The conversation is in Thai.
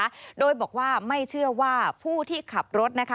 ก็ได้บอกว่าไม่เชื่อว่าผู้ที่ขับรถ